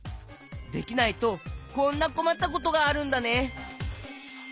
できないとこんなこまったことがあるんだね。